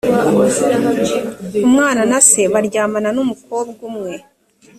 umwana na se baryamana n umukobwa umwe